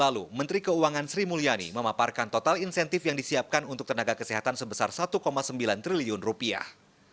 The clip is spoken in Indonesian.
lalu menteri keuangan sri mulyani memaparkan total insentif yang disiapkan untuk tenaga kesehatan sebesar satu sembilan triliun rupiah